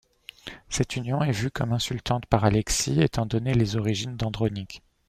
Cette union est vue comme insultante par Alexis étant donné les origines d'Andronic.